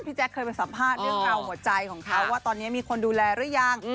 แจ๊คเคยไปสัมภาษณ์เรื่องราวหัวใจของเขาว่าตอนนี้มีคนดูแลหรือยัง